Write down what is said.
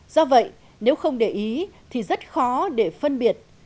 do vậy nếu không để ý thì rất khó để phân biệt